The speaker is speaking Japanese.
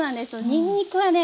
にんにくはね